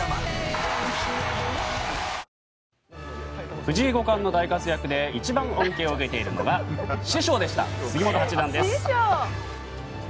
藤井五冠の大活躍で一番恩恵を受けているのが師匠でした、杉本八段です。